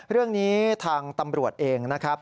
เรื่องนี้ทางตำรวจเองนะครับ